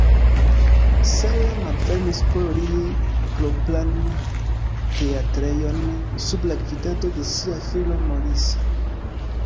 Sarah malfermis por li propran teatrejon sub la gvidado de sia filo Maurice.